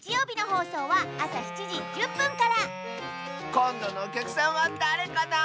こんどのおきゃくさんはだれかな？